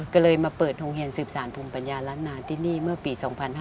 ก็เลยมาเปิดโรงเรียนสืบสารภูมิปัญญาล้านนาที่นี่เมื่อปี๒๕๕๙